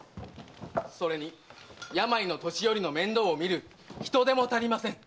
⁉それに病の年寄りの面倒を見る人手も足りません。